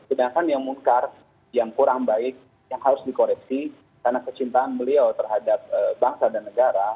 sedangkan yang muskar yang kurang baik yang harus dikoreksi karena kecintaan beliau terhadap bangsa dan negara